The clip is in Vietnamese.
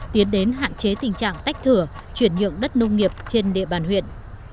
tiến đến hạn chế tình trạng tách thửa chuyển nhượng đất nông nghiệp trên địa bàn huyện